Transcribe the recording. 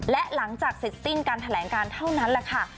และหลังจากเสร็จสิ้นการแถลงการเท่านั้นแหละค่ะ